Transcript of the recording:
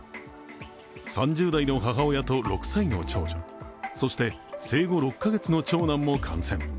３０代の母親と６歳の長女そして生後６カ月の長男も感染。